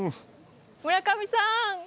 村上さん！